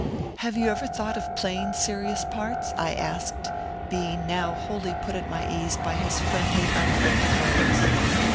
"'Have you ever thought of playing serious parts?' I asked, being now wholly put at my ease by his friendly, unaffected ways.